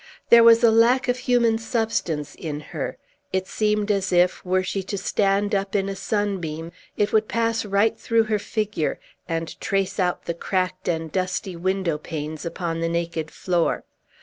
There was a lack of human substance in her; it seemed as if, were she to stand up in a sunbeam, it would pass right through her figure, and trace out the cracked and dusty window panes upon the naked floor.